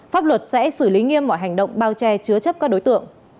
pháp luật sẽ xử lý nghiêm mọi hành động bao che chứa chấp các đối tượng